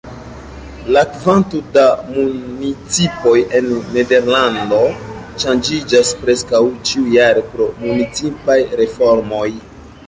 La kvanto da municipoj en Nederlando ŝanĝiĝas preskaŭ ĉiujare pro municipaj reformoj.